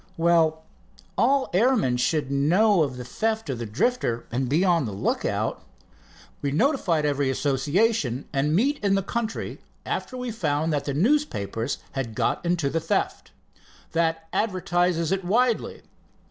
"Well, all airmen should know of the theft of the Drifter, and be on the lookout." "We notified every association and meet in the country after we found that the newspapers had got onto the theft. That advertises it widely.